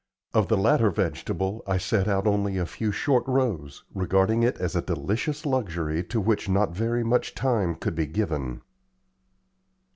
Of the latter vegetable, I set out only a few short rows, regarding it as a delicious luxury to which not very much time could be given.